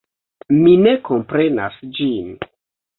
Mi ne komprenas ĝin.